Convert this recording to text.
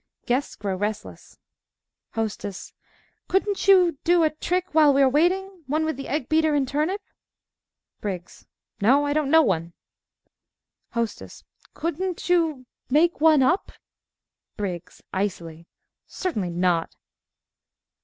(Guests grow restless.) Hostess Couldn't you do a trick while we are waiting one with the egg beater and turnip? BRIGGS No; I don't know one. HOSTESS Couldn't you make up one? BRIGGS (icily) Certainly not.